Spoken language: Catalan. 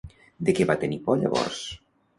De què va tenir por llavors?